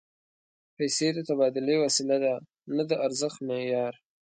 پیسې د تبادلې وسیله ده، نه د ارزښت معیار